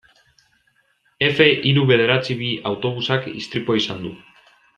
Efe hiru bederatzi bi autobusak istripua izan du.